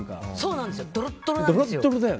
ドロッドロなんですよ。